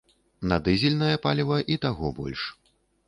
На дызельнае паліва і таго больш.